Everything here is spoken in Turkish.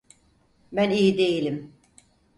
Ben iyi değilim.